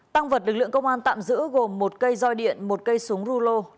tăng vật lực lượng công an tạm giữ gồm một cây roi điện một cây súng rulo